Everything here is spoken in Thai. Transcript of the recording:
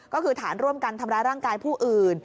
ก็คือฐานร่วมกันทำร้ายร่างกายผู้อื่น